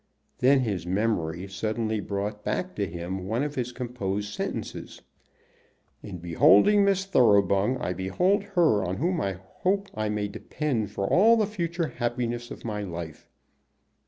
Then his memory suddenly brought back to him one of his composed sentences. "In beholding Miss Thoroughbung I behold her on whom I hope I may depend for all the future happiness of my life."